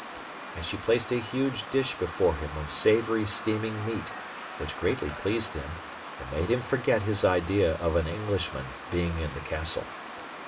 And she placed a huge dish before him of savoury steaming meat, which greatly pleased him, and made him forget his idea of an Englishman being in the castle.